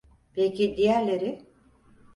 Peki diğerleri?